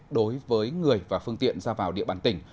đối với người và phương tiện ra vào địa bàn tỉnh